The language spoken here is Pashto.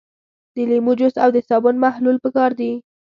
د لیمو جوس او د صابون محلول پکار دي.